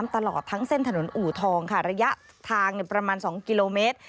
ตลอดทั้งเส้นถนนอู่ทองค่ะระยะทางประมาณ๒กิโลเมตร